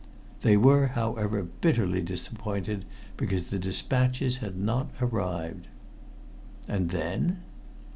They were, however, bitterly disappointed because the despatches had not arrived." "And then?"